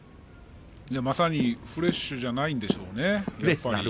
まさにフレッシュじゃないんでしょうね。